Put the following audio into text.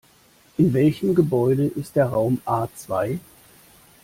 In welchem Gebäude ist der Raum A zwei?